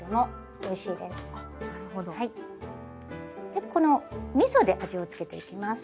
でこのみそで味をつけていきます。